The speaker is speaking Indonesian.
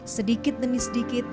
sedikit demi sedikit